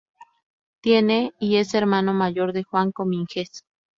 Tiene y es hermano mayor de Juan Cominges.